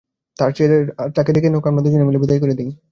তার চেয়ে ডেকে আনুক, আমরা দুজনে মিলে বিদায় করে দিই।